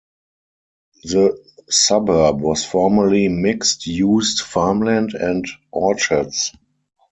The suburb was formerly mixed used farmland and orchards.